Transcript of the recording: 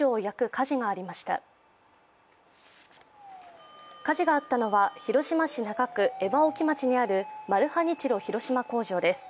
火事があったのは、広島市中区江波沖町にあるマルハニチロ広島工場です。